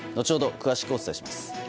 詳しくお伝えします。